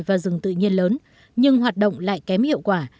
và rừng tự nhiên lớn nhưng hoạt động lại kém hiệu quả